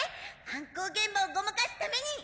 犯行現場をごまかすために！